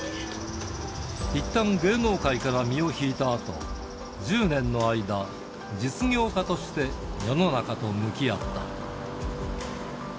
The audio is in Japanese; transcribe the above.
いったん、芸能界から身を引いたあと、１０年の間、実業家として世の中と向き合った。